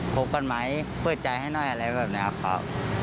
คบกันไหมเปิดใจให้หน่อยอะไรแบบนี้ครับ